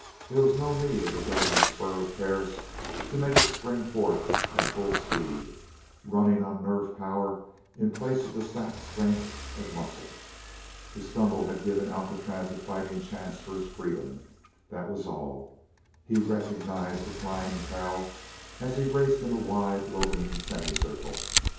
There was no need of the goading spur of Perris to make it spring forth at full speed, running on nerve power in place of the sapped strength of muscle. The stumble had given Alcatraz a fighting chance for his freedom that was all. He recognized the flying peril as he raced in a wide loping semicircle.